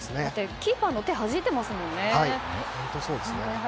キーパーの手をはじいていますからね。